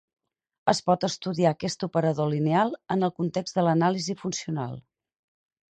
Es pot estudiar aquest operador lineal en el context de l'anàlisi funcional.